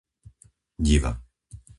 Diva